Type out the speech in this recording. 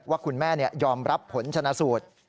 ว่าคุณแม่ยอมรับผลชนะสูตร